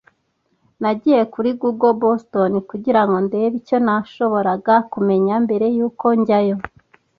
Nagiye kuri google "Boston" kugira ngo ndebe icyo nashoboraga kumenya mbere yuko njyayo.